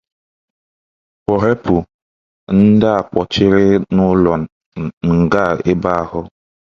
kpọghèpù ndị a kpọchiri n'ụlọ nga ebe ahụ